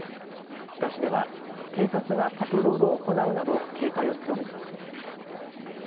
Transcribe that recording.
日田市では警察がパトロールを行うなど警戒を強めています。